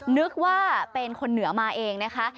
นึกว่าเป็นคนเหนือมาเองนะคะ